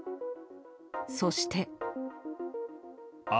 そして。